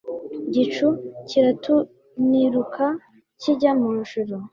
gicu kirataniuruka kijya mu ijuru.